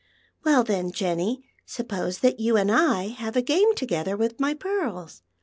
Well, then, Jenn\ , suppose that you and I have a game together with my pearls.